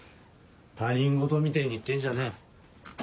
他人ごとみてぇに言ってんじゃねえ。